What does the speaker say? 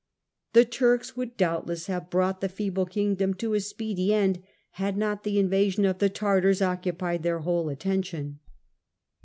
The Turks would doubtless have brought the feeble kingdom to a speedy end had not the invasion of the Tartars occupied their whole attention.